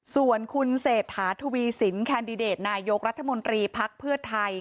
ส่วนคุณเศรษฐาทวีสินแคนดิเดตนายกรัฐมนตรีพักเพื่อไทย